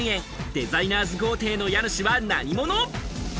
デザイナーズ豪邸の家主は何者？